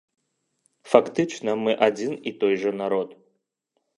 Фактычна мы адзін і той жа народ.